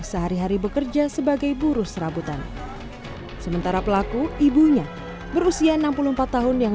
sehari hari bekerja sebagai buruh serabutan sementara pelaku ibunya berusia enam puluh empat tahun yang